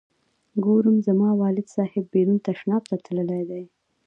ګورم زما والد صاحب بیرون تشناب ته تللی دی.